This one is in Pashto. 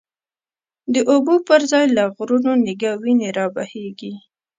د اوبو پر ځای له غرونو، نګه وینی رابهیږی